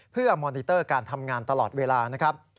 เพื่อมอนิเตอร์การทำงานตลอดเวลานะครับ